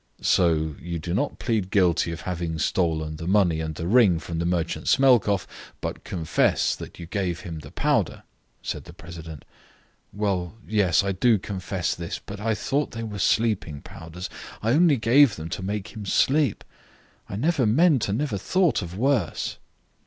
"So you do not plead guilty of having stolen the money and the ring from the merchant Smelkoff, but confess that you gave him the powder?" said the president. "Well, yes, I do confess this, but I thought they were sleeping powders. I only gave them to make him sleep; I never meant and never thought of worse."